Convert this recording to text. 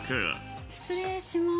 ◆失礼しまーす。